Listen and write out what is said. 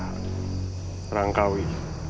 kau akan dianggap sebagai